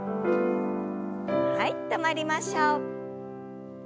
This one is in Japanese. はい止まりましょう。